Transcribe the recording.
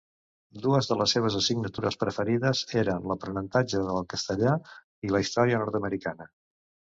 Dues de les seves assignatures preferides eren l'aprenentatge del castellà i la història nord-americana.